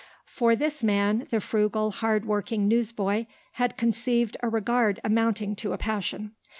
For this man the frugal, hard working newsboy had conceived a regard amounting to a passion.